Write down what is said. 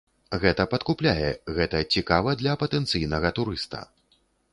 Гэта падкупляе, гэта цікава для патэнцыйнага турыста.